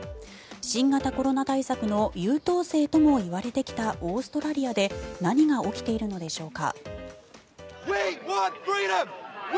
新型コロナ対策の優等生ともいわれてきたオーストラリアで何が起きているのでしょうか。